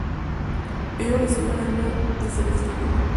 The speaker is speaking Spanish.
Ellos recibieron ayuda desde el exterior.